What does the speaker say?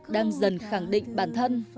đang dần khẳng định bản thân